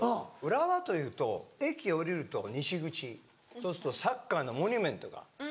浦和というと駅降りると西口そうするとサッカーのモニュメントが。